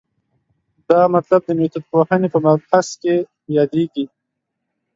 دا مطلب د میتودپوهنې په مبحث کې یادېږي.